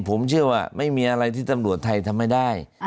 ผมเชื่อว่าไม่มีอะไรที่ตำรวจไทยทำไม่ได้